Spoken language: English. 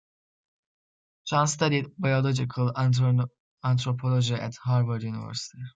Chun studied biological anthropology at Harvard University.